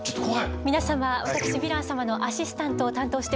皆様私ヴィラン様のアシスタントを担当しております